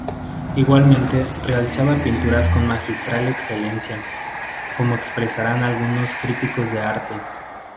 Igualmente realizaba pinturas con magistral excelencia, como expresaran algunos críticos de arte.